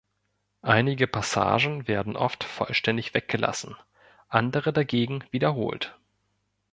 Einige Passagen werden oft vollständig weggelassen, andere dagegen wiederholt.